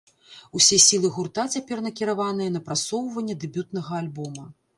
Усе сілы гурта цяпер накіраваныя на прасоўванне дэбютнага альбома.